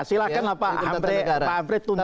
silakan pak amri tunjukkan